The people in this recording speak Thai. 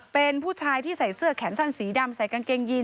เป็นผู้ชายที่ใส่เสื้อแขนสั้นสีดำใส่กางเกงยีน